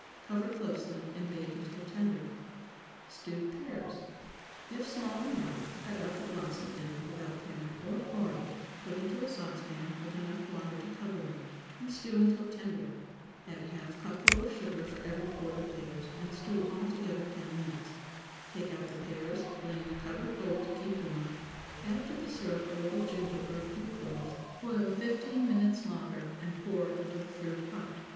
Cover closely, and bake until tender. STEWED PEARS. ✠ If small and ripe, cut out the blossom end, without paring or coring; put into a saucepan, with enough water to cover them, and stew until tender; add a half cupful of sugar for every quart of pears, and stew all together ten minutes; take out the pears, lay in a covered bowl to keep warm; add to the syrup a little ginger or a few cloves, boil fifteen minutes longer, and pour over the fruit hot.